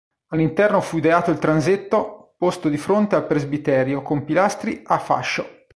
All'interno fu ideato il transetto posto di fronte al presbiterio con pilastri a fascio.